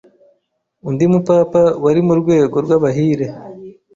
Undi mupapa wari mu rwego rw’abahire